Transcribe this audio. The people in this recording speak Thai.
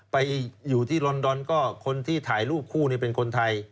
ไปอยู่ที่ลอนดอนก็คนที่ถ่ายรูปคู่เป็นคนไทย